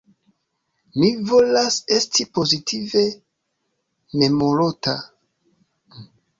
Mi volas esti pozitive memorota!